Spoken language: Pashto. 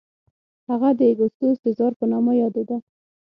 هغه د اګوستوس سزار په نامه یادېده.